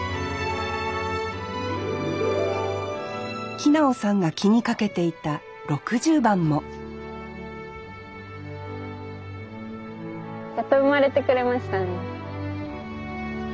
木直さんが気にかけていた６０番もやっと生まれてくれましたね。